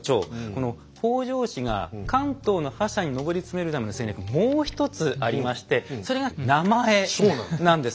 この北条氏が関東の覇者に上り詰めるための戦略もう一つありましてそれが「名前」なんですよ。